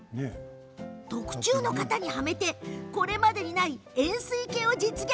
特注の型にはめてこれまでにない円すい形を実現。